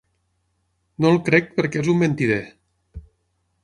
No el crec perquè és un mentider.